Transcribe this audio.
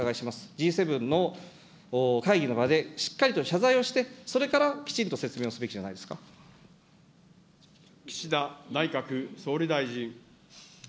Ｇ７の会議の場でしっかりと謝罪をして、それからきちんと説明を岸田内閣総理大臣。